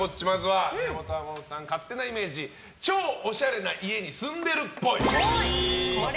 宮本亞門さん、勝手なイメージ超おしゃれな家に住んでるっぽい。